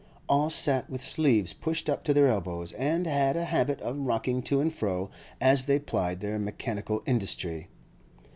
All sat with sleeves pushed up to their elbows, and had a habit of rocking to and fro as they plied their mechanical industry.